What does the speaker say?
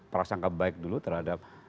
perasaan kebaik dulu terhadap